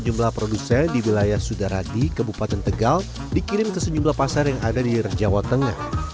jumlah produser di wilayah sudaradi kabupaten tegal dikirim ke sejumlah pasar yang ada di jawa tengah